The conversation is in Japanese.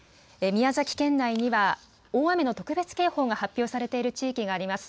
宮崎県内には大雨の特別警報が発表されている地域があります。